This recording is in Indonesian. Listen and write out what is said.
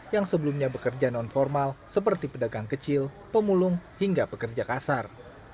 yang sebelumnya bekerja non formal seperti pedagang kecil pemulung hingga pekerja kasar